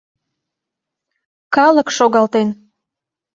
— Калык шогалтен.